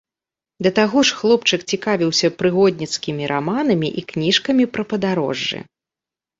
Да таго ж хлопчык цікавіўся прыгодніцкімі раманамі і кніжкамі пра падарожжы.